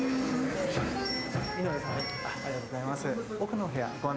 ありがとうございます。